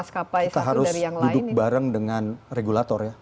kita harus duduk bareng dengan regulator ya